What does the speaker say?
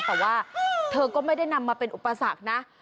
แต่ว่าเธอก็ไม่ได้นำมาเป็นอุปสรรคนะ